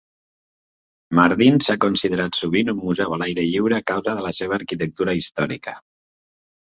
Mardin s'ha considerat sovint un museu a l'aire lliure a causa de la seva arquitectura històrica.